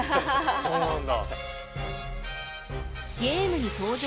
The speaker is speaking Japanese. そうなんだ。